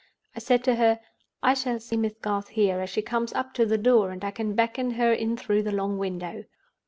I said to her, 'I shall see Miss Garth here, as she comes up to the door, and I can beckon her in through the long window.